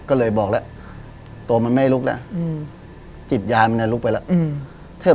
ก็เลยบอกแล้วตัวมันไม่ลุกแล้วจิตยายมันจะลุกไปแล้ว